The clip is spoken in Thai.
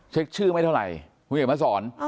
เช็คชื่อไม่เท่าไหร่คุณเขียนมาสอน